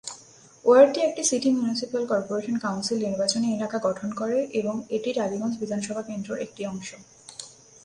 ওয়ার্ডটি একটি city municipal corporation council নির্বাচনী এলাকা গঠন করে এবং এটি টালিগঞ্জ বিধানসভা কেন্দ্রর এর একটি অংশ।